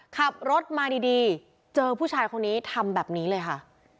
ขับรถมาดีเจอผู้ชายคนนี้ทำแบบนี้เลยค่ะ